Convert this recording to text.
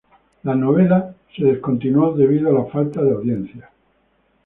La novela se descontinuó debido a la falta de audiencia.